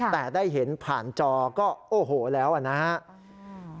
แต่ได้เห็นผ่านจอก็โอ้โหแล้วนะครับ